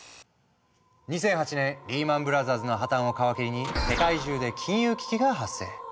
２００８年リーマン・ブラザーズの破綻を皮切りに世界中で金融危機が発生。